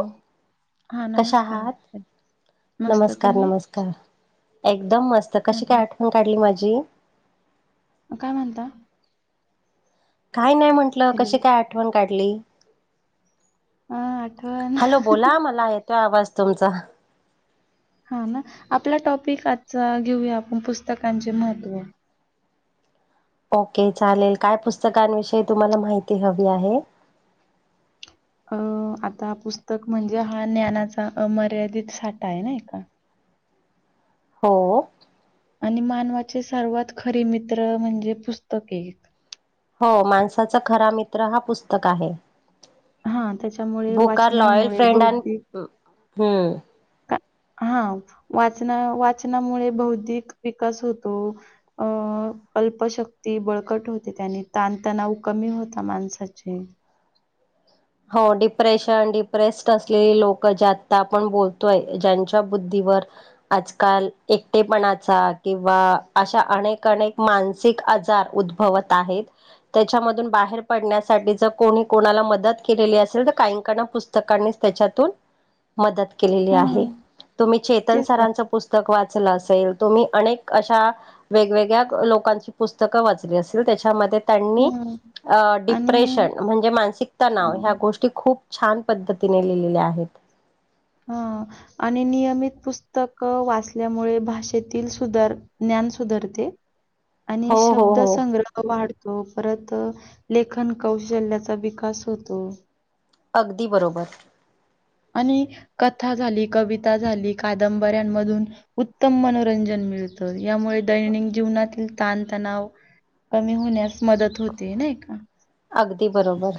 Hello हा कशा नमस्कार आहात मस्त नमस्कार तुम्ही नमस्कार. [unintelligible] एकदम मस्त हा कशी हा. काय आठवण काढली माझी. [inaudible] काय म्हणता [unintelligible] काय नाही म्हटलं हॅलो कशी काय आठवण. काढली. हा आठवण हॅलो बोला मला आहेत. आवाज तुमचा. हा ना आपला टॉपिक आजचा घेऊया आपण पुस्तकांचे महत्त्व ओके चालेल काय पुस्तकांविषयी तुम्हाला माहिती हवी आहे. अ आता पुस्तक म्हणजे हा ज्ञानाचा अमर्यादित साठा आहे ना एका हो. आणि मानवाचे सर्वात खरीे मित्र म्हणजे पुस्तक एक हो माणसाचा खरा मित्र हा पुस्तक आहे. हा त्याच्यामुळे बुकार लॉयल वाचनांमुळे फ्रेंड आणि बौद्धिक हम्म. हा वाचना वाचनामुळे बौद्धिक विकास होतो अं अल्पशक्ती बळकट होते त्यानी ताणतणाव कमी होता माणसाचे हो डिप्रेशन डिप्रेस्ड असलेली लोक जे आता आपण बोलतोय ज्यांच्या बुद्धीवर आजकाल एकटेपणाचा किंवा अशा अनेक अनेक मानसिक आजार उद्भवत आहेत त्याच्यामधून बाहेर पडण्यासाठी जर कोणी कोणाला मदत केली असेल तर काहीकणा पुस्तकांनी त्याच्यातून मदत केलेली आहे. हं. तुम्ही चेतन तेच तर. सरांचं पुस्तक वाचलं. असेल तुम्ही अक अशा वेगवेगळ्या लोकांची पुस्तकं वाचली असेल त्याच्यामध्ये त्यांनी हं. आणि डिप्रेशन म्हणजे मानसिक नाव ह्या हां, गोष्टी खूप छान पद्धतीने लिलेले आहेत. हा आणि नियमित पुस्तक वाचल्यामुळे भाषेतील सुधार ज्ञान सुधारते. आणि हो हो शब्द हो संग्रह वाढतो. परत लेखन कौशल्याचा विकास होतो. अगदी बरोबर. आणि कथा झाली कविता झाली कादंबऱ्यांमधून उत्तम मनोरंजन मिळतं. यामुळे दैनिक जीवनातील ताणतणाव कमी होण्यास मदत होते नाही का अगदी बरोबर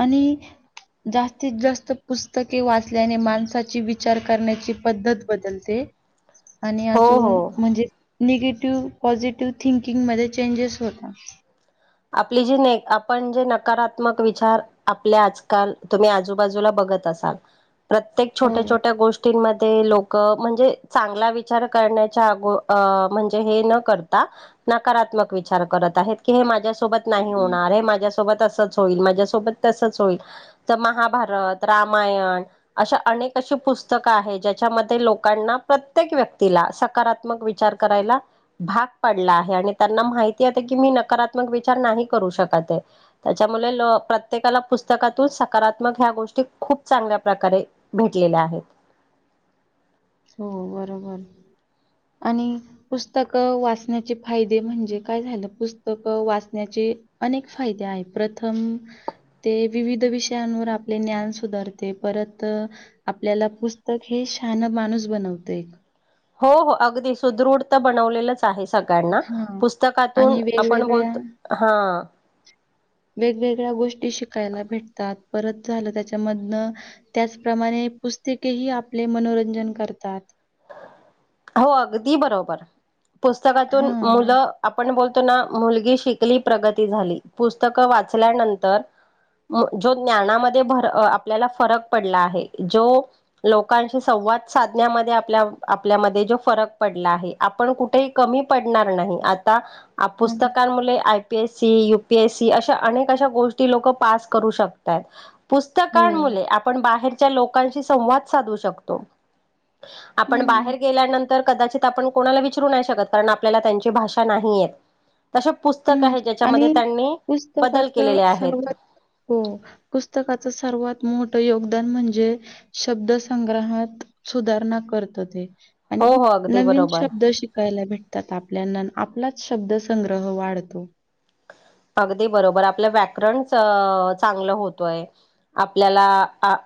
आणि जास्तीत जास्त पुस्तके वाचल्याने माणस ची विचार करण्याची पद्धत बदलते आणि हो अजून हो म्हणजे निगेटिव्ह पॉझिटिव्ह थिंकिंगमध्येध्ये चेंजेस होतात आपली जी आपण जे नकारात्मक विचार आपले आजकाल तुम्ही आजूबाजूला बघत असाल प्रत्यक हो, छोट्या छोट्या गोष्टी लोक म्हणजे चांगला विचार न करता नकारात्म विचार करतात सोबत नाही होणार माझ्यासोबत असच होईल माझ्यासोबत तसच होईल तर महाभारत रामायण अशा अनेक अशी पुस्तकं आहे ज्याच्यामध्ये लोकांना प्रत्येक व्यक्तीला सकारात्मक विचार करायला भाग पाडला आहे आणि त्यांना माहिती येत की मी नकारात्मक विचार नाही करू शक त्याच्यामुळे प्रत्येकाला पुस्तकातून सकारात्मक ह्या गोष्टी खूप चांगल्या प्रकारे भेटलेल्या आहेत हो बरोबर आणि पुस्तक वाचण्याचे फायदे म्हणजे काय झालं पुस्तक वाचण्याचे अनेक फायदे आहे प्रथम ते विविध विषयांवर आपले ज्ञान सुधारते परत आपल्याला पुस्तक हे शान मा माणूस बनवते एक हो हो अगदी सुदृढ तर बनवलेलंच आहे सगळ्यांना हां. पुस्तकातून आणि आपण बो वेगवेगळ्या ह वेगवेगळ्या गोष्टी शिकायला भेटतात परत झालं त्याच्यामधनं त्याचप्रमाणे पुस्तकेही आपले मनोरंजन करतात हो अगदी बरोबर पुस्तकातून हां. मुलं आपण बोलो मुलगी शिकली प्रगती झाली पुस्तकं वाचल्यानंतर जो ज्ञानामध्ये भर आपल्याला फरक पडला आहे जो लोकांशी संवाद साधण्यामध्ये आपल्यामध्ये जो फरक पडला आहे आपण कुठेही कमी पडणार नाही आता हं. पुस्तकांमुळे M P S C UPSC अशा अनेक अश गोष्टी लोक पास करू शकतात हो. पुस्तकांमुळे आपण बाहेर च्या लोकांशी संवाद साधू शकतो आपण हं. बाहेर गेल्यानंतर तर कदाचित आपण कोणाला विचारू नाही शकत कारण आपल्याला त्यांची भाषा नाही येत तसे पुस्तक हम् आहे ज्याच्यामध्ये आणि त्यांनी बदल केलेले पुस्तकाच आहेत सर्वात हो पुस्तकाच सर्वात मोठं योगदान म्हणजे शब्दसंग्रहात सुधारणा करत ते हो आणि हो अगदी नवीन बरोबर. शब्द शिकायला भेटतात आपल्याना आपलाच शब्द संंग्रह वाढ तो अगदी बरोबर आपलं व्याकरणच चांगलं होतोय आपल्याला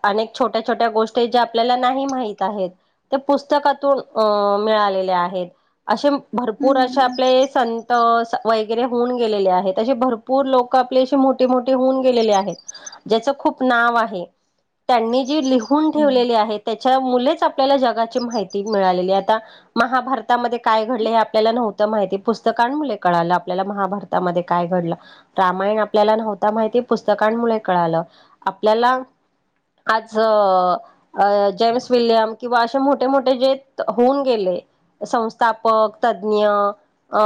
अनेक छोट्या छोट्या गोष्टी ज्या आपल्याला नाही माहित आहेत ते पुस्तकातून अ मिळालेले आहेत असे भरपूर असे हं. आपले संत वगैरे होऊन गेलेले आहेत भरपूर लोक आपले मोठे मोठे होऊन गेलेले आहेत ज्याच खूप नाव आहे त्यांनी जी ल हून हो. ठेवलेली आहेत त्याच्या मुच आपल्याला जगाची माहिती मिळालेली आता महाभारतामध्ये काय घडले हे आपल्याला नव्हतं माहिती पुस्तकांमुळे कळालं आपल्याला महाभारतामध्ये काय घड रामायण आपल्याला नव्हता माहिती पुस्तकांमुळे कळालं आपल्याला आज जेम्स विलियम किंवा असे मोठे मोठे जे होऊन गेले संस्थापक तज्ज्ञ अ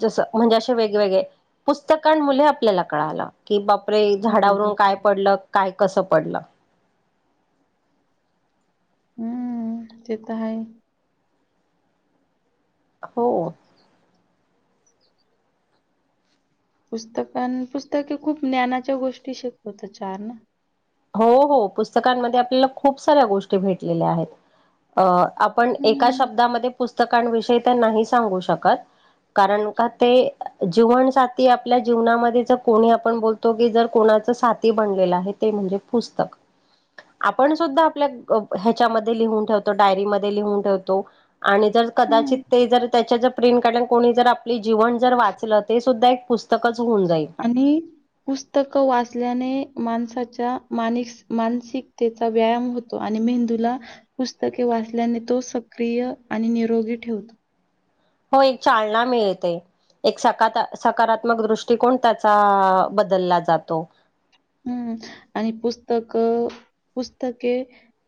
जस म्हणजे असे वेगवेगळे पुस्तकां मुळे आपल्याला कळालं की बाप् रे हो, झाडावरून काय बरोबर. पडलं काय कसं पडलं हम्म ते तर आहे हो पुस्तक पुस्तके खूप ज्ञानाच्या गोष्टी शिकवत चार ना हो हो पुस्तकांमध्ये आपल्याला खूप साऱ्या गोष्टी भेटलेल्या आहेत अ आपण एका हं. शब्दामध्ये पुस्तक पुस्तकांविषयी तर नाही सांगू शकत कारण का ते जीवन साथी आपल्या जीवनामध्ये जर कोणी आपण बोलतो की जर कोणाच साथी बनलेलं आहे ते म्हणजे पुस्तक आपण सुद्धा आपल्या ह्याच्यामध्ये लिहून ठेवतो डायरीमध्ये लिहून ठेवतो आणि जर हं. कदाचित ते जर त्याच्या ज प्रिंट कोणी जर आपली जीवन जर वाचलं ते सुद्धा एक पुस्त आणि पुस्तकं वाचल्याने माणसाच्या मानस मानसिकतेचा व्यायाम होतो आणि मेंदूला पुस्तके वाचल्याने तो सक्रिय आणि निरोगी ठेवतो हो एक चालना मिळते एक स सकारात्मक दृष्टिकोन त्याचा बदलला जातो हम्म आणि पुस्तक पुस्तके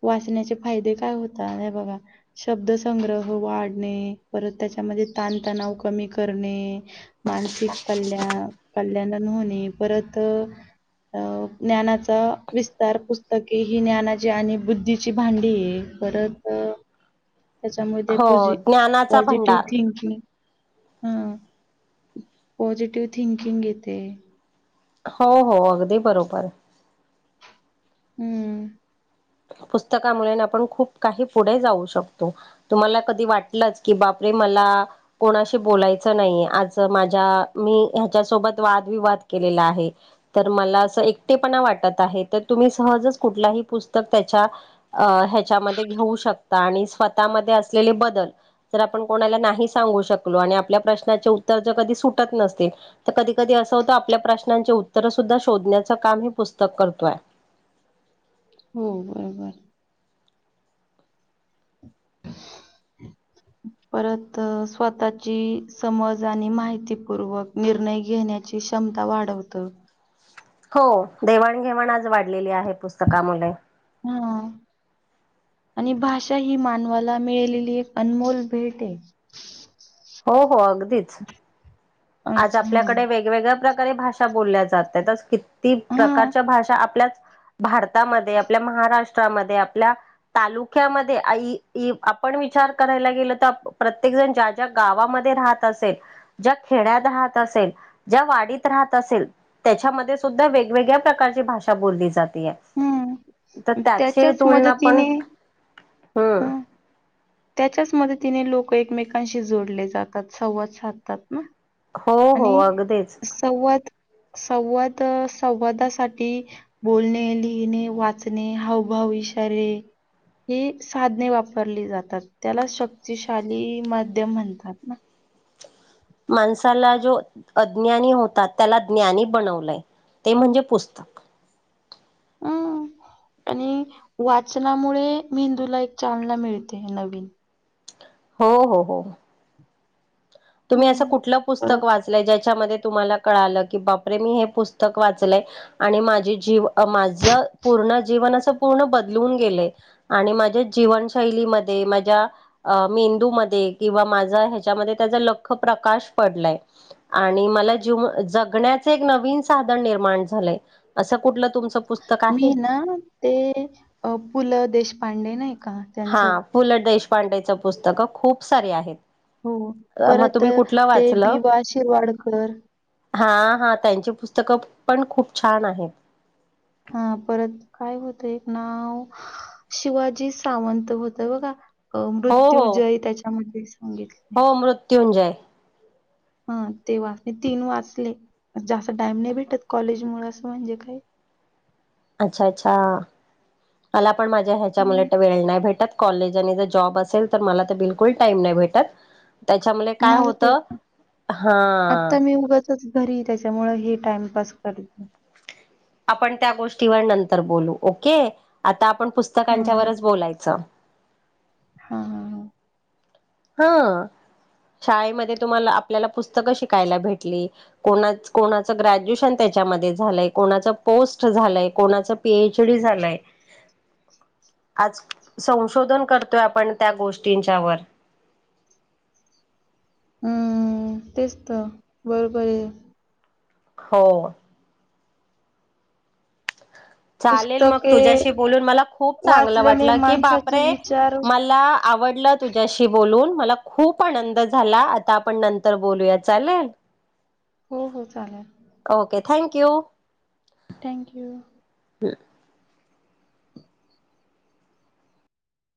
वाचण्याचे फायदे काय होतात नाही बघा शब्दसंग्रह वाढणे परत त्याच्यामध्ये ताणतणाव कमी करणे मानसिक कल्याण कल्याणान होणे परत अ ज्ञानाचा विस्तार पुस्तके ही ज्ञानाची आणि बुद्धीची भांडी आहे परत त्याच्यामध्ये प हो ज्ञानाचा पॉझिटिव्ह भंडार थिंकिंग हा पॉझिटिव्ह थिंकिंग येते हो हो अगदी बरोबर हम्म पुस्तकामुळे आपण खूप काही पुढे जाऊ शकतो तुम्हाला कधी वाटलच की बापरे मला कोणाशी बोलायचं नाहीे आज माझ्या मी ह्याच्यासोबत वादविवाद केलेला आहे तर मला असं एकटेपणा वाटत आहे तर तुम्ही सहजच कुठलाही पुस्त त्याच्या त्याच्यामध्ये घेऊ शकत आणि स्वतःमध्ये असलेले बदल जर आपण कोणाला नाही सांगू शकलो आणि आपल्या प्रश्नाचे उत्तर जर कधी सुटत नसतील तर कधी कधी असं होतं आपल्या प्रश्नांचे उत्तर सुद्धा शोधण्याच काम हे पुस्तक करतोय हो बरोबर परत स्वतःची समज आणि माहितीपूर्वक निर्णय घेण्याची क्षमता वाढवत हो, देवाणघेवाण आज वाढलेली आहे पुस्तका मुले. हा, आणि भाषा ही मानवाला मिळलेली एक अनमोल भेट हे. हो, हो आग- तेच आज अच्छा हां. आपल्याकडे वेगवेगळ- प्रकारे भाषा बोलल्या जातायत. ती हां. प्रकारच्या भाषा आपल्याच- भारतामध्ये आपल्या महाराष्ट्रामध्ये आपल्या तालुक्यामध्ये आई ई आपण विचार करायला गेलो तर प्रत्येक जण ज्या ज्या गावामध्ये राहत असेल. ज्या- खेड्यात राहत असेल ज्या वाडीत राहत असेल त्याच्यामध्ये सुद्धा वेगवेगळ्या प्रकारची भाषा बोलली जाते. हं. तर त्याची त्याच्याच तुलना पण... मदतीने हम्म. हां. त्याच्याच मदतीने लोक एकमेकांशी जोडले जातात संवाद साधतात ना. हो, हो आणि अगदीच संवाद संवाद संवादासाठी बोलणे, लिहिणे, वाचणे, हावभाव, इशारे हे साधने वापरली जात तात त्याला शक्तिशाली माध्यम म्हणतात ना. माणसाला जो अज्ञानी होतात त्याला ज्ञानी बनवलंय ते म्हणजे पुस्तक. हं आणि वाचनामुळे मेंदूला एक चालना मिळते नवीन. हो हो हो. तुम्ही असं हं. कुठलं परत पुस्तक वाचलंय ज्याच्यामध्ये- तुम्हाला कळालं की, बापरे! मी हे पुस्तक वाचलय आणि माझे जीव माझं पूर्ण जीवन अस पूर्ण बदलून गेलंय आणि माझ्या जीवनशैलीमध्ये माझ्या अ मेंदू मध्ये किंवा माझं ह्याच्यामध्ये त्याजा ल- ख प्रकाश पडलाय आणि मला जीव जगण्याचे एक नवीन साधन निर्माण झालंय असं कुठलं तुमचं पुस्तक मी आहे ना ते पु. ल. देशपांडे नाही का हा त्यांचं पु. ल. देश- पांडेचं पुस्तकं खूप सारे आहेत. हो मग परत तुम्ही कुठलं ते बि. वाचलं? वा. शिरवाडकर. हा हा त्यांची पुस्तकं पण खूप छान आहेत. हा परत काय होतं एक नाव? शिवाजी सावंत होत बघा. अ हो हो मृत्यूजय त्याच्यामध्ये सांगितले हो, मृत्यूंजय. [inaudible] हा, ते वाच तीन वाचले जास्त टाइम नाही भेटत कॉलेज मूळ असं म्हणजे काय? अच्छा, अच्छा मला- पण माझ्या ह्याच्यामुळे हं, ट वेळ नाय भेटत. कॉलेज आणि जर जॉब असेल तर मला बिलकुल टाईम नाय भेटत. त्याच्यामुले काय माझं ते होतं? हा आता मी उगाचच घरी त्याच्यामुळे हे टाइमपास करते. आपण त्या गोष्टीवर नंतर बोलू, ओके आता आपण हा पुस्तकांच्यावरच बोलायचं. हा हा हा ह शाळेमध्ये तुम्हाला आपल्याला पुस्तकं शिकायला भेटली. कोणा कोणाचं ग्रॅज्युएशन त्याच्यामध्ये झालंय. कोणाच पोस्ट झालंय. कोणाच पीएच डी झालंय. आज संशोधन करतोय आपण त्या गोष्टींच्यावर. हम्म तेच त बरोबर आहे. हो चालेल मग पुस्तके तुझ्याशी बोलून मला खूप चांगलं वाचल्याने वाटलं की माणसाचे बापरे! विचार मला आवडलं तुझ्याशी बोलून. मला खूप आनंद झाला. आता आपण नंतर बोलूया चालेल. हो हो चालेल. Okay thank you. थँक्यू. [unintelligible]